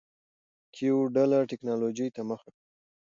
کیو ډله ټکنالوجۍ ته مخه کړه.